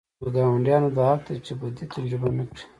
ګاونډیانو دا حق دی چې بدي تجربه نه کړي.